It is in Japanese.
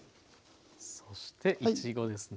そしていちごですね。